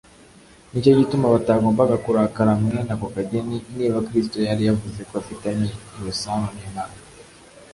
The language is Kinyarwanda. nicyo gituma batagombaga kurakara mwene ako kageni niba Kristo yari yavuzeko afitanye iyo sano n’Imana.